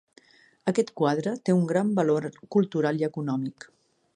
Aquest quadre té un gran valor cultural i econòmic.